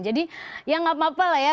jadi ya gak apa apa lah ya